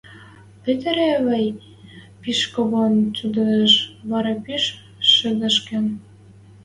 пӹтӓри Эвай пиш когон цӱдейӹш, вара пиш шӹдешкӹш.